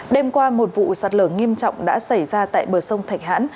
đêm qua một vụ sạt lở nghiêm trọng đã xảy ra tại bờ sông thạch hãn